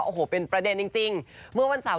โอ้โหเป็นประเด็นจริงเมื่อวันเสาร์